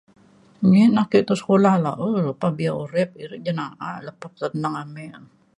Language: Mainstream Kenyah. Nyi na ake to sekula la’a lepa bio urip ire jin na’a teneng ame